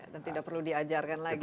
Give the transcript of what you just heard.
dan tidak perlu diajarkan lagi itu